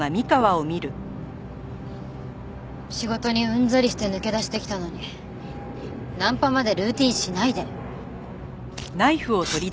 仕事にうんざりして抜け出してきたのにナンパまでルーティンしないで。